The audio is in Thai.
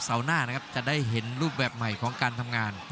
เสาหน้าจะได้เห็นรูปแบบใหม่ของการทำงาน